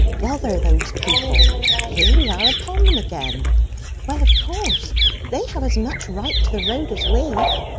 "Bother those people! Here we are upon them again." "Well, of course. They have as much right to the road as we."